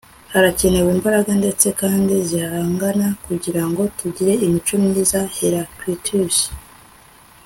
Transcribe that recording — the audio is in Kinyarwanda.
harakenewe imbaraga ndende kandi zihangana kugira ngo tugire imico myiza. - heraclitus